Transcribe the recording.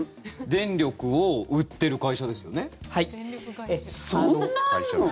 電力を売っている会社ですよね。